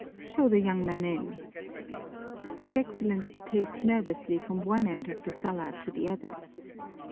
Show the young man in." His Excellency paced nervously from one end of the sala to the other.